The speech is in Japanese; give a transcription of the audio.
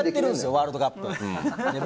ワールドカップ。